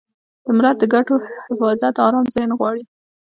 د ملت د ګټو حفاظت ارام ذهن غواړي.